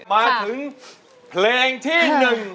มาถึงเพลงที่หนึ่ง